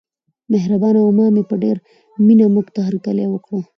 مهربانه عمه مې په ډېره مینه موږته هرکلی وکړ.